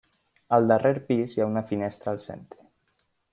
Al darrer pis hi ha una finestra al centre.